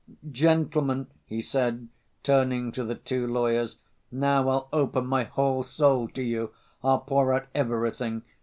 Gentlemen," he said, turning to the two lawyers, "now I'll open my whole soul to you; I'll pour out everything.